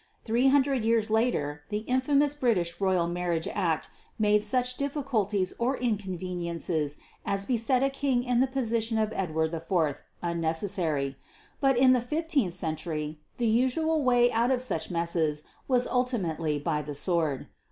Three hundred years later the infamous British Royal Marriage Act made such difficulties or inconveniences as beset a king in the position of Edward IV unnecessary: but in the fifteenth century the usual way out of such messes was ultimately by the sword.